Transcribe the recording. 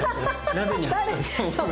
鍋に。